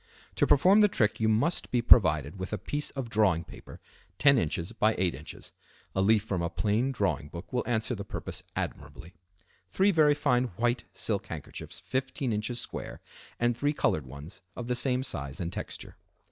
To perform the trick you must be provided with a piece of drawing paper 10 in. by 8 in. (a leaf from a plain drawing book will answer the purpose admirably), three very fine white silk handkerchiefs 15 in. square, and three colored ones of the same size and texture.